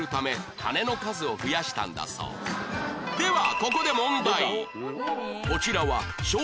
ここで問題